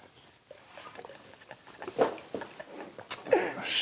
よし。